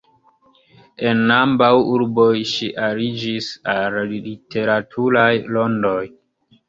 En ambaŭ urboj ŝi aliĝis al literaturaj rondoj.